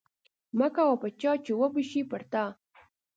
مه کوه په چا چې وبه شي پر تا